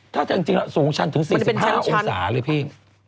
ถ้าจริงแล้วสูงชันถึง๔๕องศาเลยพี่